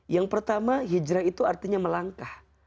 yang pertama hijrah itu artinya melangkah